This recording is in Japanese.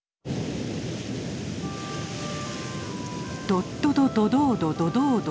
「どっどどどどうどどどうど